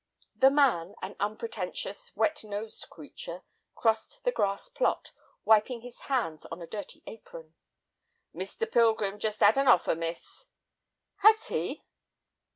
The man, an unpretentious, wet nosed creature, crossed the grass plot, wiping his hands on a dirty apron. "Mr. Pilgrim's just 'ad an offer, miss." "Has he?"